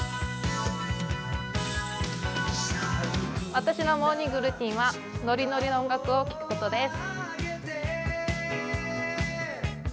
私のモーニングルーチンはのりのりの音楽を聴くことです。